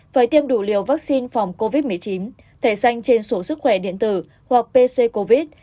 phải tiêm đủ liều vaccine phòng covid một mươi chín thẻ xanh trên sổ sức khỏe điện tử hoặc pc covid